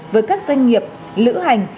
với các doanh nghiệp lữ hành